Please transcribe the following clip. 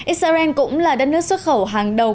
israel cũng là đất nước xuất khẩu hàng đầu